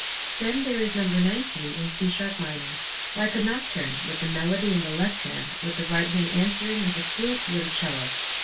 Then there is number nineteen in C sharp minor, like a nocturne with the melody in the left hand, with the right hand answering as a flute would a 'cello.